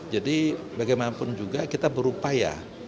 jadi bagaimanapun juga kita berupaya